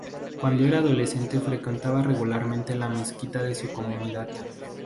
Cuando era adolescente frecuentaba regularmente la mezquita de su comunidad.